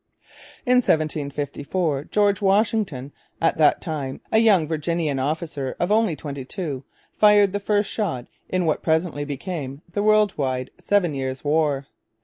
In 1754 George Washington, at that time a young Virginian officer of only twenty two, fired the first shot in what presently became the world wide Seven Years' War.